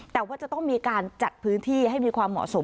แต่ว่าจะต้องมีการจัดพื้นที่ให้มีความเหมาะสม